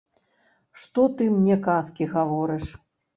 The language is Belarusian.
Што ты мне казкі гаворыш?